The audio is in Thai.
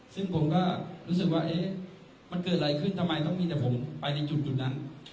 ซึ่งผมก็รู้สึกว่าเอ๊ะมันเกิดอะไรขึ้นทำไมต้องมีแต่ผมไปในจุดนั้น